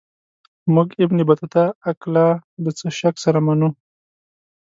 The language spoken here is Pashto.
موږ ابن بطوطه اقلا له څه شک سره منو.